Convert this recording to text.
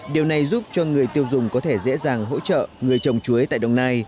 điều này giúp cho người tiêu dùng có thể dễ dàng hỗ trợ người trồng chuối tại đồng nai